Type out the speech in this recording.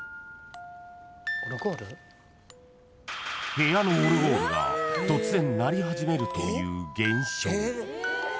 ［部屋のオルゴールが突然鳴り始めるという現象］